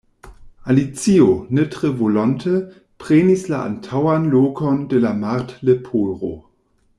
Alicio, ne tre volonte, prenis la antaŭan lokon de la Martleporo.